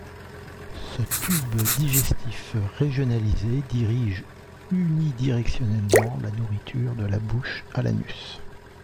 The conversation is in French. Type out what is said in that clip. Ce tube digestif régionalisé dirige unidirectionnellement la nourriture de la bouche à l'anus.